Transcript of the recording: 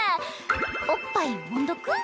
おっぱいもんどく？